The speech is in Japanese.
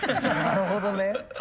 なるほどね。